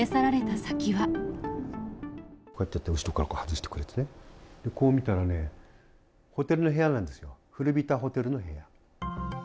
こうやって後ろから外してくれてね、で、こう見たらね、ホテルの部屋なんですよ、古びたホテルの部屋。